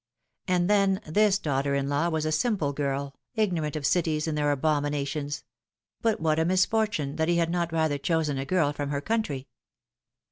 And then, this daughter in law was a simple girl, ignorant of cities and their abominations; but what a misfortune that he had not rather chosen a girl from her country